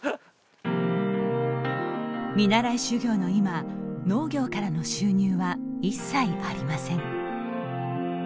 見習い修業の今農業からの収入は一切ありません。